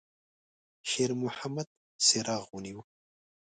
شېرمحمد څراغ ونیوه.